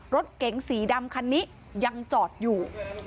รถเก๋งสีดำคันนี้ยังจอดอยู่